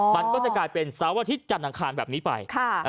มันก็จะกลายเป็นเสาร์อาทิตยจันทร์อังคารแบบนี้ไป